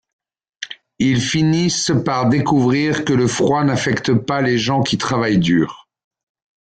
Ils finissent par découvrir que le froid n'affecte pas les gens qui travaillent dur.